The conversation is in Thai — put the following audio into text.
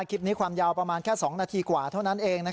คลิปนี้ความยาวประมาณแค่๒นาทีกว่าเท่านั้นเอง